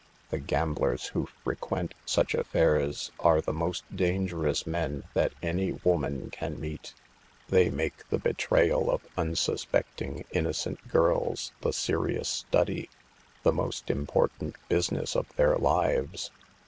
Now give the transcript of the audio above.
The gamblers who frequent such affairs are the most dangerous men that any woman can meet. They make the betray al of unsuspecting, innocent girls the serious study, the most important business of their lives.